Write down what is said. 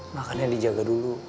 makannya dijaga dulu